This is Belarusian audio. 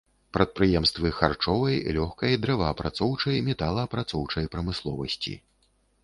Прадпрыемствы харчовай, лёгкай, дрэваапрацоўчай, металаапрацоўчай прамысловасці.